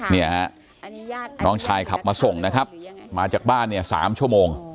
เนี่ยฮะน้องชายขับมาส่งนะครับมาจากบ้านเนี่ย๓ชั่วโมง